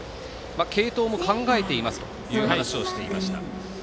継投も考えていますという話をしていました。